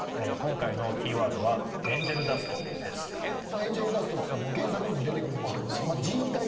エンジェルダストっつったら原作にも出てくるんですけど。